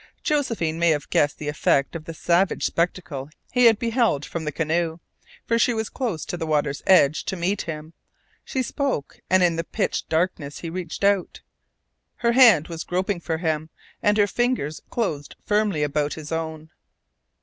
Josephine may have guessed the effect of the savage spectacle he had beheld from the canoe, for she was close to the water's edge to meet him. She spoke, and in the pitch darkness he reached out. Her hand was groping for him, and her fingers closed firmly about his own.